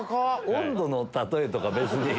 温度の例えとか別に。